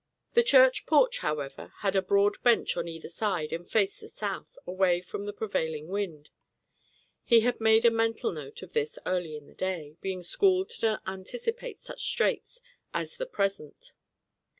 The church porch, however, had a broad bench on either side and faced the south, away from the prevailing wind. He had made a mental note of this early in the day, being schooled to anticipate such straits as the present.